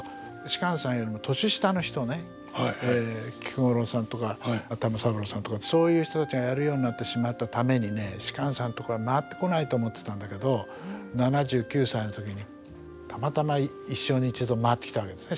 芝さんよりも年下の人ね菊五郎さんとか玉三郎さんとかそういう人たちがやるようになってしまったためにね芝さんのとこには回ってこないと思ってたんだけど７９歳の時にたまたま一生に一度回ってきたわけですね